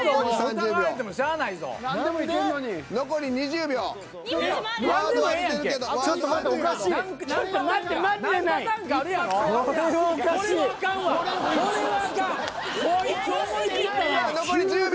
さあ残り１０秒。